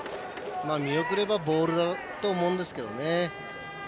見送ればボールだと思うんですけどね。